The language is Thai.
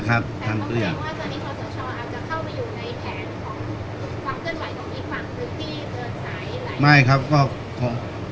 การสำรรค์ของเจ้าชอบใช่